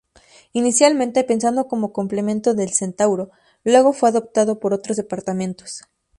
Inicialmente pensado como complemento del Centauro, luego fue adoptado por otros departamentos.